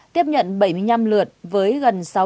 tiếp nhận bảy mươi năm lượt với gần sáu trăm linh